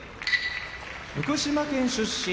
福島県出身